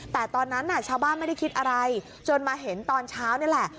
แต่ตอนนั้นชาวบ้านไม่ได้คิดอะไรจนมาเห็นตอนเช้านี่แหละ